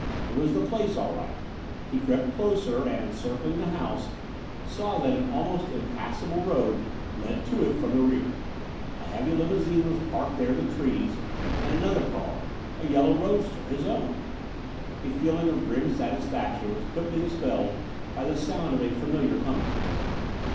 It was the place, all right. He crept closer, and, circling the house, saw that an almost impassable road led to it from the rear. A heavy limousine was parked there in the trees, and another car, a yellow roadster his own. A feeling of grim satisfaction was quickly dispelled by the sound of a familiar humming.